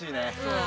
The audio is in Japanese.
うん。